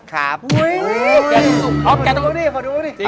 ขอดูปะสิ